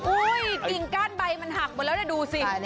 อุ้ยจริงก้านใบมันหักหมดแล้วได้ดูสิ